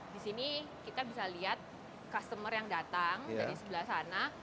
di sini kita bisa lihat customer yang datang dari sebelah sana